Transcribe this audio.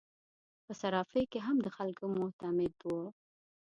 په صرافي کې هم د خلکو معتمد وو.